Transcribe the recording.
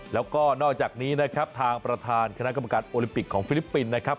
แล้วก็นอกจากนี้นะครับทางประธานคณะกรรมการโอลิมปิกของฟิลิปปินส์นะครับ